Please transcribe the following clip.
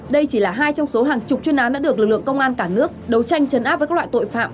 đây chỉ là hai trong số hàng chục chuyên án đã được lực lượng công an cả nước đấu tranh chấn áp với các loại tội phạm